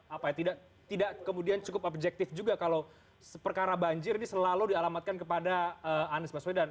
apa ya tidak kemudian cukup objektif juga kalau perkara banjir ini selalu dialamatkan kepada anies baswedan